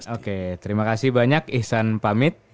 oke terima kasih banyak ihsan pamit